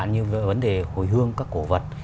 như vấn đề hồi hương các cổ vật